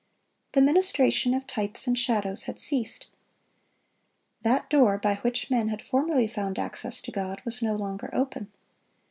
The ministration of types and shadows had ceased. That door by which men had formerly found access to God, was no longer open.